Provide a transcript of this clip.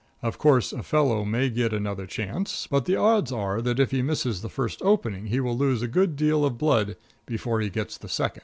Of course, a fellow may get another chance, but the odds are that if he misses the first opening he will lose a good deal of blood before he gets the second.